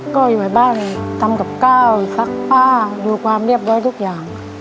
ก็อยู่บ้านทำกับข้าวซักผ้าดูความเรียบร้อยทุกอย่าง